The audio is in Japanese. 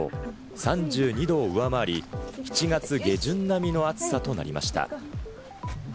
３２度を上回り、７月下旬並みの暑さとなりました。